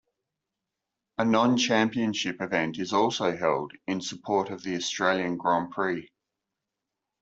A non-championship event is also held in support of the Australian Grand Prix.